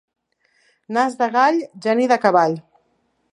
Nas de gall, geni de cavall.